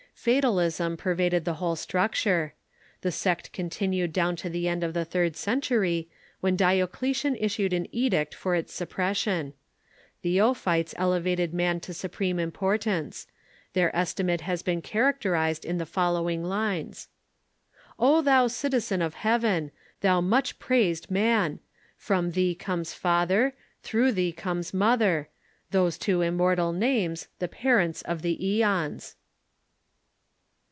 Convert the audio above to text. Fatalism pervaded the whole structure. The sect continued down to the end of the third century, Avhen Diocletian issued an edict for its suppression. The Ophites elevated man to su preme importance. Their estimate has been characterized in the following lines : "O thou citizen of Heaven! Thou much praised Man ! From thee comes Father, Through thee comes Mother, — EBIONISM AND GNOSTICISM 29 Those two immortal names, The parents of the ^ons."